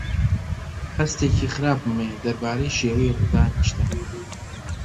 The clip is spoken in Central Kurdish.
هەستێکی خراپم هەیە دەربارەی شێوەی ڕوودانی شتەکان.